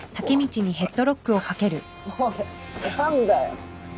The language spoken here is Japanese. おい何だよ！